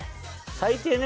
最低ね。